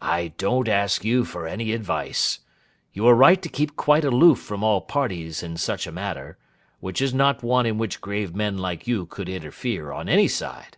'I don't ask you for any advice. You are right to keep quite aloof from all parties in such a matter, which is not one in which grave men like you could interfere, on any side.